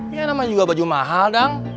ya namanya juga baju mahal dong